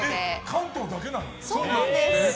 関東だけなの？